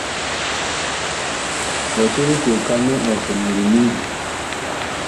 Kɔtye likooka nɛ ɔg somoo liniŋgi.